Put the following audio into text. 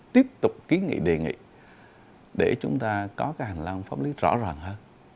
tiếp tục ký nghị đề nghị để chúng ta có hành lang pháp lý rõ ràng hơn